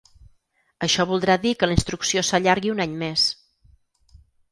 Això voldrà dir que la instrucció s’allargui un any més.